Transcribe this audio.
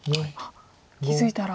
気付いたら。